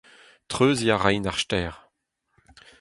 Treuziñ a raint ar stêr.